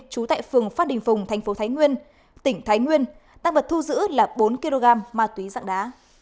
trú tại phường phát đình phùng tp thái nguyên tỉnh thái nguyên tác vật thu giữ là bốn kg ma túy dạng đá